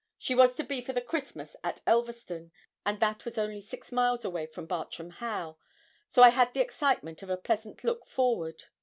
She was to be for the Christmas at Elverston, and that was only six miles away from Bartram Haugh, so I had the excitement of a pleasant look forward.